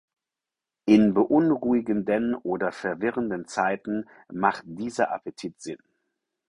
In beunruhigenden oder verwirrenden Zeiten macht dieser Appetit Sinn.